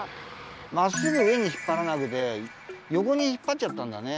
まっすぐ上に引っぱらなくてよこに引っぱっちゃったんだね。